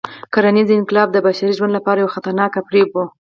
کرنيز انقلاب د بشري ژوند لپاره یو خطرناک فریب و.